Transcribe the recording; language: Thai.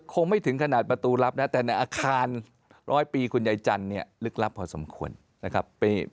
คงไม่ถึงขนาดประตูลับนะแต่ในอาคาร๑๐๐ปีคุณยายจันทร์เนี่ยลึกลับพอสมควรนะครับ